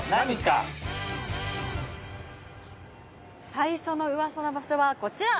最初のウワサの場所はこちら！